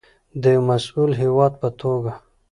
د یو مسوول هیواد په توګه.